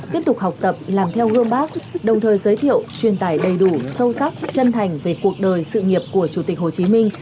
tiếp tục học tập làm theo gương bác đồng thời giới thiệu truyền tải đầy đủ sâu sắc chân thành về cuộc đời sự nghiệp của chủ tịch hồ chí minh